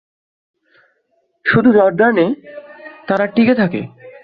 শুধু জর্ডানে তারা টিকে থাকে।